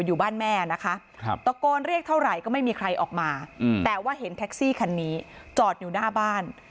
อยู่บ้านแม่นะคะตะโกนเรียกเท่าไหร่ก็ไม่มีใครออกมาแต่ว่าเห็นแท็กซี่คันนี้จอดอยู่หน้าบ้าน